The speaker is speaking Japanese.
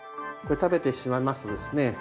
これ食べてしまいますとですね